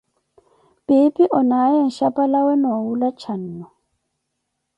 Piipi onaaye nxhapa lawe noowula cannu.